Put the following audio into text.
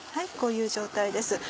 こういう状態です